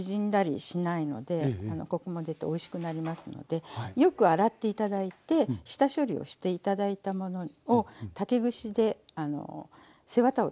コクも出ておいしくなりますのでよく洗って頂いて下処理をして頂いたものを竹串で背ワタを取って頂いてね。